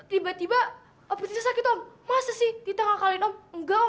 tiba tiba apa sakit om masa sih di tengah kalian enggak om